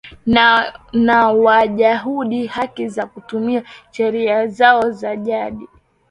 na Wayahudi haki ya kutumia sheria zao za jadi